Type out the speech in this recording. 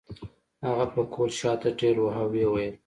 هغه پکول شاته ټېلوهه وويل.